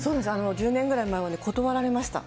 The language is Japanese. １０年ぐらい前は断られました。